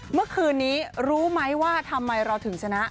เมื่อคืนนี้รู้ไหมว่าทำไมเราถึงชนะ